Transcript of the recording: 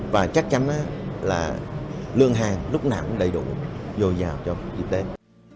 và chắc chắn là lương hàng lúc nào cũng đầy đủ dồi dào cho viet tết